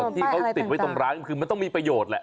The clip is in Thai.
ที่เขาติดไว้ตรงร้านก็คือมันต้องมีประโยชน์แหละ